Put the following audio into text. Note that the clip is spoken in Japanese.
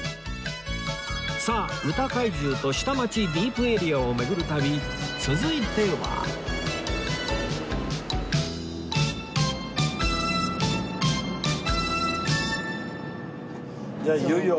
さあ歌怪獣と下町・ディープエリアを巡る旅続いてはではいよいよ。